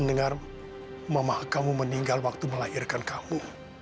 tentu saja kamu meninggal waktu melahirkan kamu